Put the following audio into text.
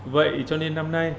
vậy cho nên năm nay